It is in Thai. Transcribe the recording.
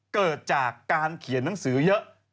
เกิดจากการเขียนหนังสือเยอะ